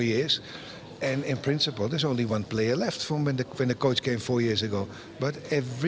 tetapi setiap tahun semakin sedikit tetapi semakin tim mereka telah berkembang